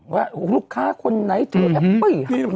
ว่าลูกค้าคนไหนเธอแฮปปี้